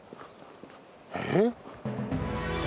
えっ。